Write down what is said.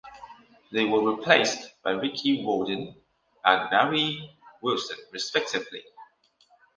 They were replaced by Ricky Walden and Gary Wilson respectively.